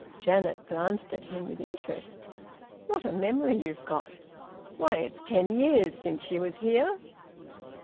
Janet glanced at him with interest: "What a memory you've got! Why, it's ten years since she was here!"